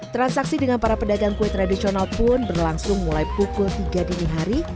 transaksi dengan para pedagang kue tradisional pun berlangsung mulai pukul tiga dini hari